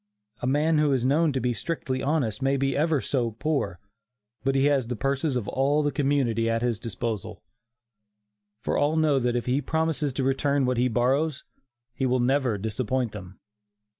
A man who is known to be strictly honest, may be ever so poor, but he has the purses of all the community at his disposal; for all know that if he promises to return what he borrows, he will never disappoint them.